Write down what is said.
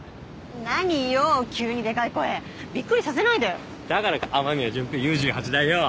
何よ急にでかい声びっくりさせないでだからか雨宮純平Ｕ−１８代表